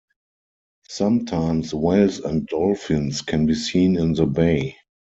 Sometimes, whales and dolphins can be seen in the bay.